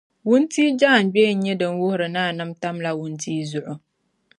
Wuntia jaaŋgbee n-nyɛ din wuhiri ni a nam fukumsi tam la wuntia zuɣu